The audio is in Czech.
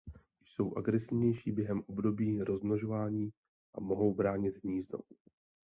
Jsou agresivnější během období rozmnožování a mohou bránit hnízdo.